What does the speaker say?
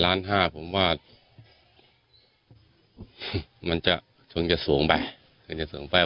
๕๐๐๐๐บาทผมว่ามันจะส่วนง่ายไป